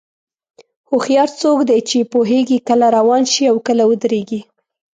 هوښیار څوک دی چې پوهېږي کله روان شي او کله ودرېږي.